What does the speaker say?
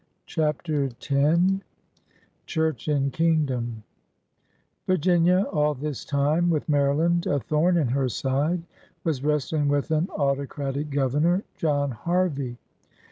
CHAPTER X CHUBCH AND KINQDOM Virginia, all this time, with Maryland a thorn in her side, was wrestling with an autocratic governor, John Harvey.